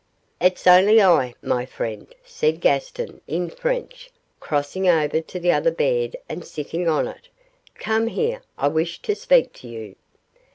'It's only I, my friend,' said Gaston, in French, crossing over to the other bed and sitting on it. 'Come here; I wish to speak to you.